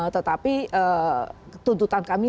tetapi tuntutan kami